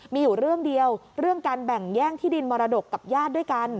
มีอยู่เรื่องเดียวเรื่องการแบ่งแย่งที่ดินมรดกกับญาติด้วยกัน